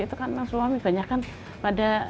itu kan memang suami banyak kan pada